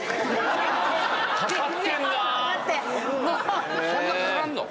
そんなかかんの⁉